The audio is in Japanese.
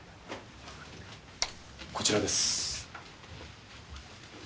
こちらです。